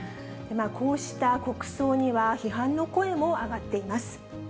こうした国葬には批判の声も上がっています。